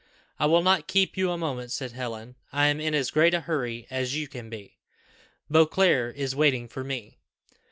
"I will not keep you a moment," said Helen. "I am in as great a hurry as you can be. Beauclerc is waiting for me."